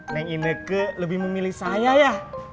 neng ineke lebih mau milih saya ya